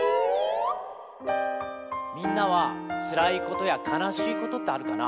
「みんなはつらいことやかなしいことってあるかな？